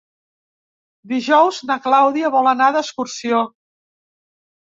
Dijous na Clàudia vol anar d'excursió.